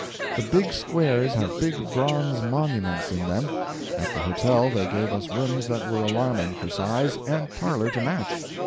The big squares have big bronze monuments in them. At the hotel they gave us rooms that were alarming, for size, and parlor to match.